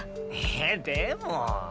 ええでも。